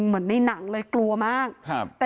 เหมือนในหนังเลยกลัวมาก